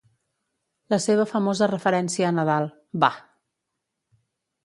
La seva famosa referència a Nadal, Bah!